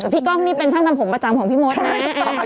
กล้องนี่เป็นช่างทำผมประจำของพี่มดนะ